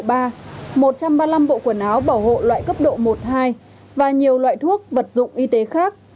một trăm ba mươi năm bộ quần áo bảo hộ loại cấp độ một hai và nhiều loại thuốc vật dụng y tế khác